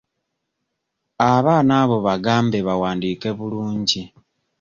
Abaana abo bagambe bawandiike bulungi.